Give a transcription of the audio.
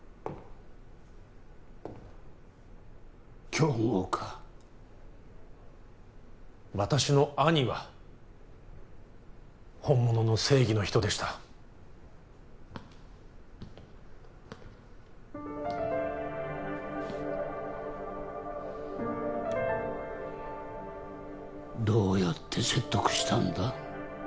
京吾か私の兄は本物の正義の人でしたどうやって説得したんだ？